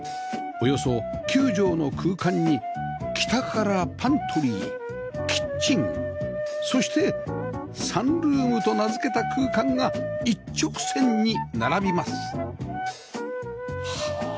およそ９畳の空間に北からパントリーキッチンそしてサンルームと名付けた空間が一直線に並びますはあ。